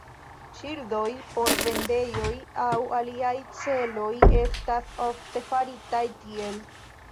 Ŝildoj por vendejoj aŭ aliaj celoj estas ofte faritaj tiel.